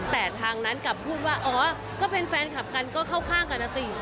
แต่ทางนั้นกลับพูดว่าอ๋อก็เป็นแฟนคลับกันก็เข้าข้างกันนะสิ